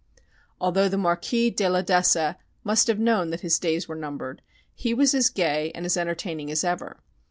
Although the Marquis de la d'Essa must have known that his days were numbered, he was as gay and as entertaining as ever.